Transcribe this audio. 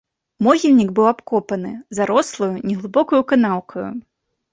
Могільнік быў абкопаны зарослаю, неглыбокаю канаўкаю.